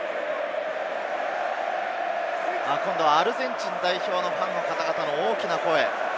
今度はアルゼンチン代表のファンの方々の大きな声。